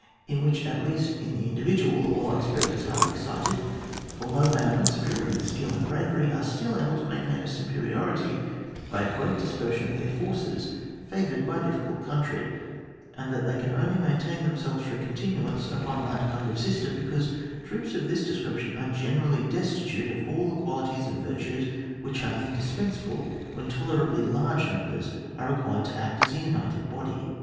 in which, at least in the individual, the warlike spirit is highly excited, although they are not superior in skill and bravery, are still able to maintain a superiority by a great dispersion of their forces favoured by a difficult country, and that they can only maintain themselves for a continuance upon that kind of system, because troops of this description are generally destitute of all the qualities and virtues which are indispensable when tolerably large num bers are required to act as a united body.